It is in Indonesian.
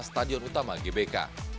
stadion utama gbk